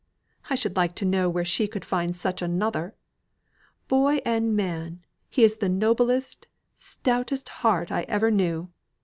I should like to know where she could find such another! Boy and man, he's the noblest, stoutest heart I ever knew.